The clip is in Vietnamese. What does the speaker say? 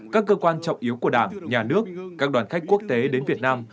các cơ quan trọng yếu của đảng nhà nước các đoàn khách quốc tế đến việt nam